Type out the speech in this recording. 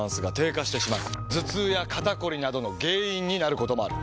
頭痛や肩こりなどの原因になることもある。